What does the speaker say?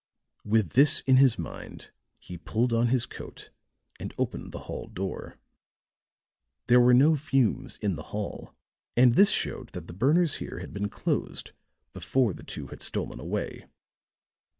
With this in his mind he pulled on his coat and opened the hall door. There were no fumes in the hall, and this showed that the burners here had been closed before the two had stolen away.